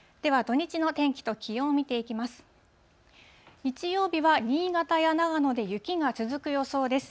日曜日は新潟や長野で雪が続く予想です。